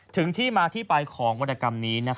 ถึงที่มาที่ไปของวรรณกรรมนี้